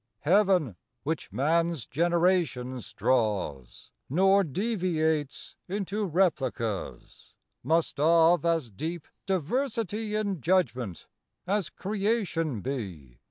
Heaven, which man's generations draws, Nor deviates into replicas, Must of as deep diversity In judgement as creation be.